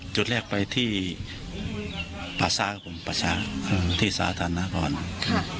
จุดแรกไปที่ปาชะครับผมปาชะอืมที่สาธารณะก่อนค่ะ